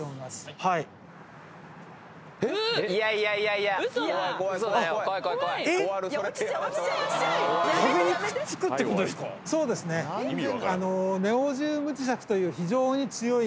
えっ⁉壁にくっつくってことですか⁉え！